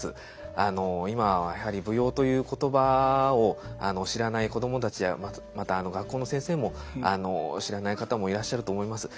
今はやはり「舞踊」という言葉を知らない子供たちやまた学校の先生も知らない方もいらっしゃると思います。